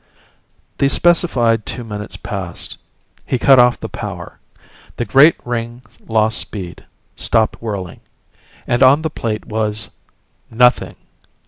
The specified two minutes passed. He cut off the power. The great ring lost speed, stopped whirling. And on the plate was nothing.